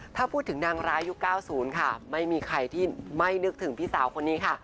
ถ้าพูดถึงนางร้ายุค๙๐ค่ะไม่มีใครที่ไม่นึกถึงพี่สาวคนนี้ค่ะ